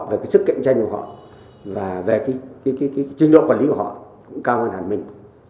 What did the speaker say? về cái sức cạnh tranh của họ và về cái chương độ quản lý của họ cũng cao hơn hẳn mình